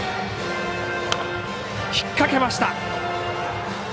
引っ掛けました。